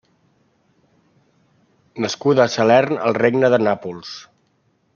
Nascuda a Salern, al regne de Nàpols.